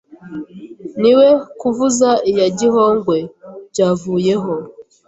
ni we kuvuza iya Gihogwe byavuyeho